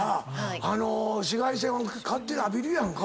紫外線勝手に浴びるやんか。